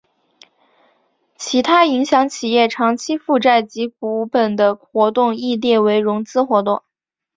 其他影响企业长期负债及股本的活动亦列为融资活动。